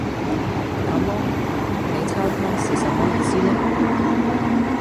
“那麼，你鈔他是什麼意思呢？”